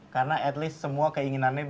karena at least semua kayak ingin ngeband